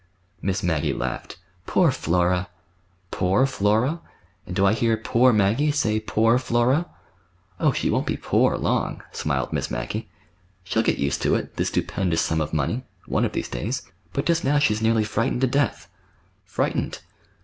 Miss Maggie laughed. "Poor Flora!" "'Poor Flora'! And do I hear 'Poor Maggie' say 'Poor Flora'?" "Oh, she won't be 'poor' long," smiled Miss Maggie. "She'll get used to it—this stupendous sum of money—one of these days. But just now she's nearly frightened to death." "Frightened!"